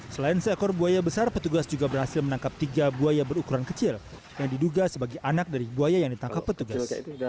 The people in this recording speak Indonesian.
selain seekor buaya besar petugas juga berhasil menangkap tiga buaya berukuran kecil yang diduga sebagai anak dari buaya yang ditangkap petugas